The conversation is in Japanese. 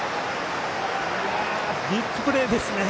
ビッグプレーですね！